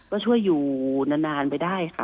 ก็ช่วยอยู่นานไปได้ค่ะ